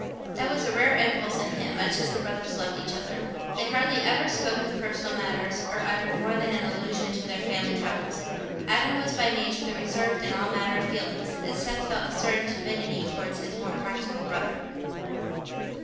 That was a rare impulse in him, much as the brothers loved each other. They hardly ever spoke of personal matters, or uttered more than an allusion to their family troubles. Adam was by nature reserved in all matters of feeling, and Seth felt a certain timidity towards his more practical brother.